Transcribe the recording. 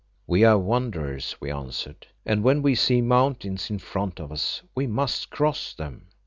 "We are wanderers," we answered, "and when we see mountains in front of us we must cross them."